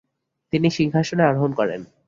তিনি সিংহাসনে আরোহণ করেন।